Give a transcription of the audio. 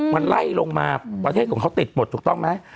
มันไล่ลงมาประเทศของเขาติดหมดถูกต้องไหม